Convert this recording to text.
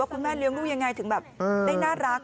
คุณแม่เลี้ยงลูกยังไงถึงแบบได้น่ารัก